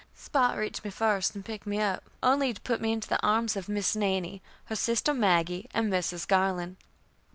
Spot reached me first and picked me up, only to put me into the arms of Miss Nannie, her sister Maggie, and Mrs. Garland.